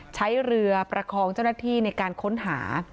ใช้เรือประคองเจ้าหน้าที่ในการค้นหา